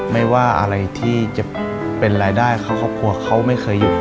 ไม่ว่าอะไรที่จะเป็นรายได้ของครอบครัวเขาไม่เคยหยุด